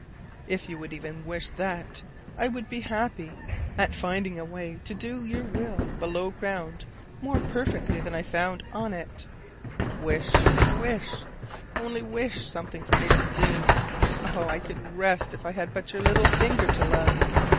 If you would even wish that, I would be happy at finding a way to do your will below ground more perfectly than any I found on it. Wish, wish: only wish something for me to do. Oh, I could rest if I had but your little finger to love.